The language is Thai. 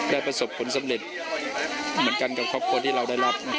ได้ประสบคุณสำเร็จเหมือนกันกับครอบครัวที่เราได้รับ